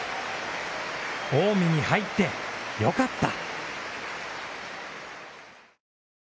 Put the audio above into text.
近江に入って、よかった」。